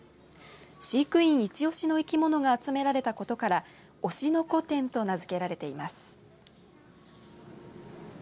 飼育員一押しの生き物が集められたことから推しの仔展と名付けられています。